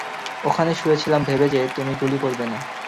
ওখানে শুয়ে ছিলাম ভেবে যে, তুমি গুলি করবে না।